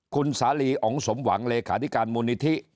คุณสาลีอ๋องสมหวังเลขาธิการมูลนิธิ